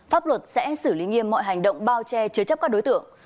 pháp luật sẽ xử lý nghiêm mọi hành động bao che chứa chấp các đối tượng